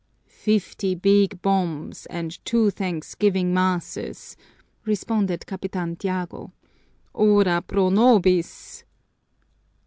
"Fifty big bombs and two thanksgiving masses!" responded Capitan Tiago. "_Ora pro nobis!